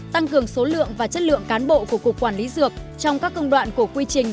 tăng cường số lượng và chất lượng cán bộ của cục quản lý dược trong các công đoạn của quy trình